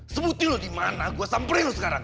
sebutin lo dimana gue samperin lo sekarang